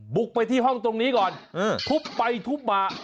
บุกไปที่ห้องตรงนี้ก่อนทุบไปทุบมา